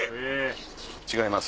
違います？